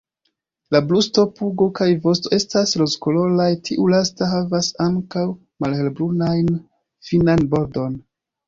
La brusto, pugo kaj vosto estas rozkoloraj, tiu lasta havas ankaŭ malhelbrunajn finan bordon.